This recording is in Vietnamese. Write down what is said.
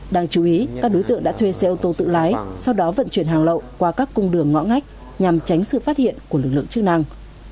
đáng chú ý các đối tượng đã thuê xe ô tô tự lái sau đó vận chuyển hàng lậu qua các cung đường ngõ ngách nhằm tránh sự phát hiện của lực lượng chức năng